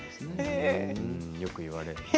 よく言われます。